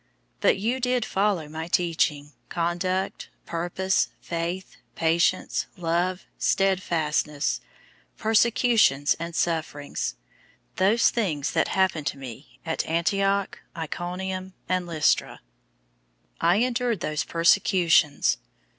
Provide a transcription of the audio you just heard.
003:010 But you did follow my teaching, conduct, purpose, faith, patience, love, steadfastness, 003:011 persecutions, and sufferings: those things that happened to me at Antioch, Iconium, and Lystra. I endured those persecutions.